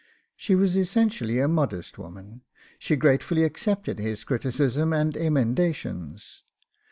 She was essentially a modest woman; she gratefully accepted his criticism and emendations.